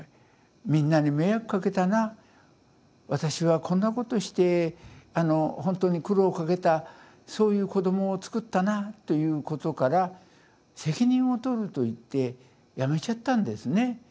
みんなに迷惑かけたな私はこんなことしてほんとに苦労をかけたそういう子どもをつくったなということから責任を取ると言って辞めちゃったんですね。